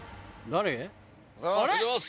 おはようございます。